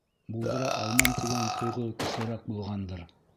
Булдыра алмам тигән тойғо көслөрәк булғандыр.